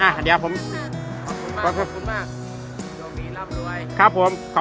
ครับผมขอบคุณครับขอบคุณค่ะคนโชคดีครับผมคนอ่า